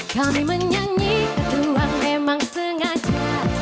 kami menyanyi ya tuhan memang sengaja